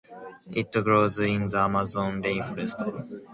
It grows in the Amazon rainforest.